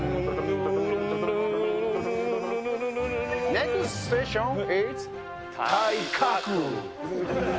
ネクスト・ステーション・イズ・体格。